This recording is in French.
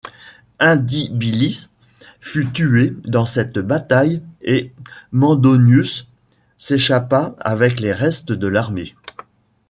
Indibilis fut tué dans cette bataille et Mandonius s'échappa avec les restes de l'armée.